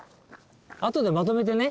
後でまとめてね